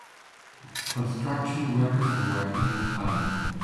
Construction workers are working in a tunnel.